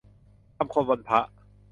คำคมวันพระ